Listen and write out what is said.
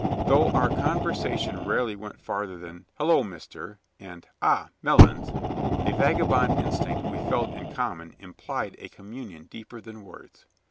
Though our conversation rarely went further than "Hello, Mister!" and "Ah, Melons!" a vagabond instinct we felt in common implied a communion deeper than words.